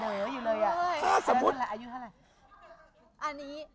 เด๊ะอยู่เลยละ